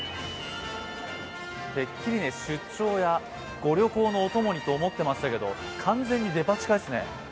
てっきり出張やご旅行のお供にと思ってましたけど完全にデパ地下ですね。